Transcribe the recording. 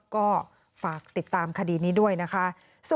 ก็ฝากติดตามคดีนี้ด้วยนะคะ